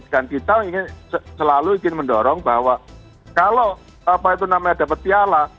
dan kita selalu ingin mendorong bahwa kalau apa itu namanya ada piala